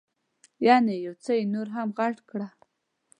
یعنې یو څه یې نور هم غټ کړه.